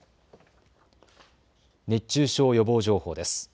熱中症予防情報です。